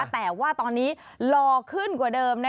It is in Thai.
แต่ว่าตอนนี้รอขึ้นกว่าเดิม